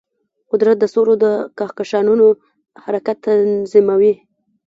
قدرت د ستورو او کهکشانونو حرکت تنظیموي.